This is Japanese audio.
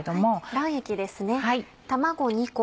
卵液ですね。